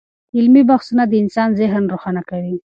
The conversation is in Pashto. علمي بحثونه د انسان ذهن روښانه کوي.